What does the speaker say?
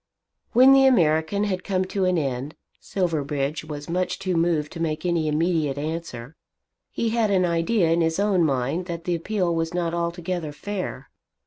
When the American had come to an end, Silverbridge was too much moved to make any immediate answer. He had an idea in his own mind that the appeal was not altogether fair.